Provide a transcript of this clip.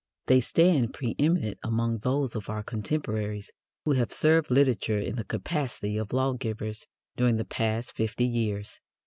They stand preeminent among those of our contemporaries who have served literature in the capacity of law givers during the past fifty years.